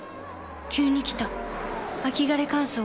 急に来た秋枯れ乾燥。